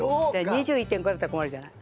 ２１．５だったら困るじゃない。